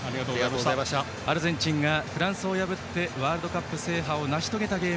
アルゼンチンがフランスを破ってワールドカップ制覇を成し遂げたゲーム